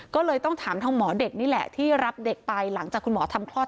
ก็เลยต้องถามทางหมอเด็กนี่แหละที่รับเด็กไปหลังจากคุณหมอทำคลอด